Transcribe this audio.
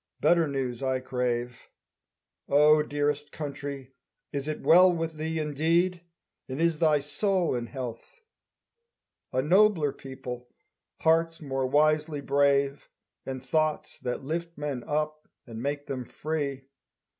Better news I crave. O dearest country, is it well with thee Indeed, and is thy soul in health? A nobler people, hearts more wisely brave, And thoughts that lift men up and make them free.